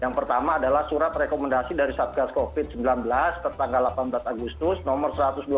yang pertama adalah surat rekomendasi dari satgas covid sembilan belas tertanggal delapan belas agustus nomor satu ratus dua puluh